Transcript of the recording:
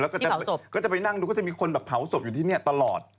ที่เผาศพก็จะไปนั่งดูก็จะมีคนเผาศพอยู่ที่นี้ตลอด